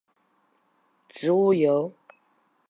鳄梨油是指用鳄梨果实压榨而成的植物油。